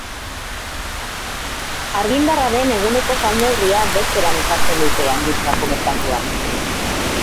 Argindarraren eguneko salneurria bezperan ezartzen dute handizkako merkatuan.